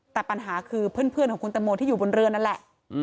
แต่ปัญหาคือเพื่อนของคุณตังโมที่อยู่บนเรือนั่นแหละ